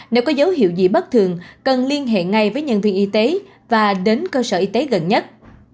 nếu có dấu hiệu gì bất thường cần liên hệ ngay với nhân viên y tế và đến cơ sở y tế gần nhất